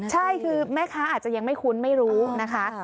ใช่คือแม่ค้าอาจจะยังไม่คุ้นไม่รู้นะคะ